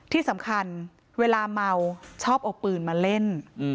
ที่สำคัญเวลาเมาชอบเอาปืนมาเล่น